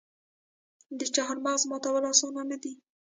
د چهارمغز ماتول اسانه نه دي.